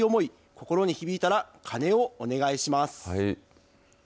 心に響いたら鐘をお願いします。